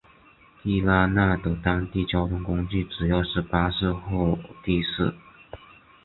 地拉那的当地交通工具主要是巴士或的士。